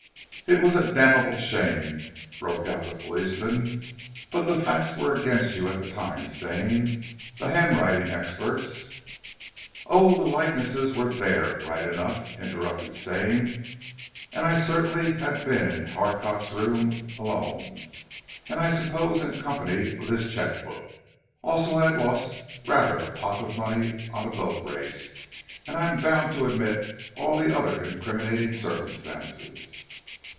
"It was a damnable shame!" broke out the policeman. "But the facts were against you at the time, Stane. The hand writing experts " "Oh the likenesses were there, right enough," interrupted Stane, "and I certainly had been in Harcroft's rooms, alone, and I suppose in company with his cheque book. Also I had lost rather a pot of money on the boat race, and I am bound to admit all the other incriminating circumstances."